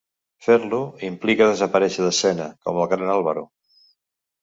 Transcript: Fer-lo implica desaparèixer d'escena, com el gran Álvaro.